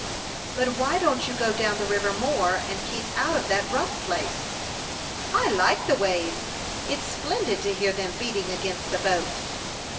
"But why don't you go down the river more, and keep out of that rough place?" "I like the waves! It's splendid to hear them beating against the boat."